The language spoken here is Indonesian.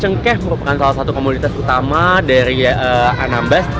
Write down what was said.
cengkeh merupakan salah satu komoditas utama dari anambas